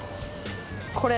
これ。